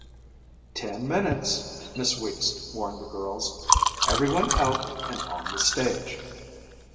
"Ten minutes," Miss Weeks warned the girls. "Everyone out and on the stage."